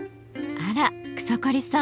あら草刈さん